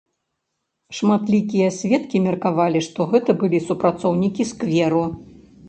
Шматлікія сведкі меркавалі, што гэта былі супрацоўнікі скверу.